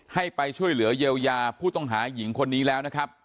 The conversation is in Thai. ให้ไปช่วยเหลือเยียวยาผู้ต้องหาหญิงคนนี้แล้วนะครับ